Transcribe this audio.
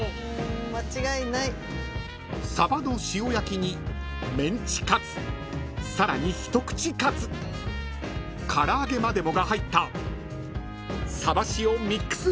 ［サバの塩焼きにメンチカツさらに一口カツ唐揚げまでもが入った］